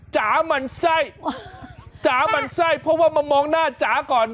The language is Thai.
จ๋าหมั่นไส้จ๋าหมั่นไส้เพราะว่ามามองหน้าจ๋าก่อน